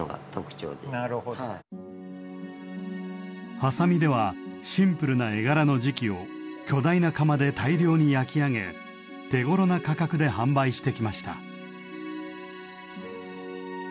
波佐見ではシンプルな絵柄の磁器を巨大な窯で大量に焼き上げ手ごろな価格で販売してきました。